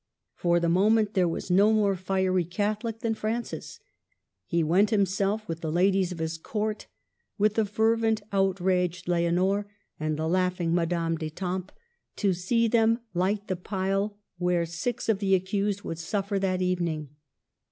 For the moment there was no more fiery Cathohc than Francis. He went himself, with the ladies of his Court, with the fervent outraged Leonor and the laughing Madame d'Etampes, to see them light the pile where six of the accused should suffer that even ing.